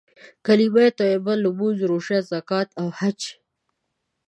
کليمه طيبه، لمونځ، روژه، زکات او حج.